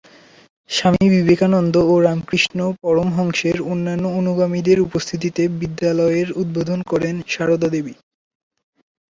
স্বামী বিবেকানন্দ ও রামকৃষ্ণ পরমহংসের অন্যান্য অনুগামীদের উপস্থিতিতে বিদ্যালয়ের উদ্বোধন করেন সারদা দেবী।